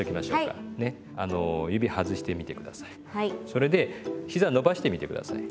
それでひざ伸ばしてみて下さい。